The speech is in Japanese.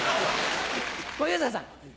小遊三さん。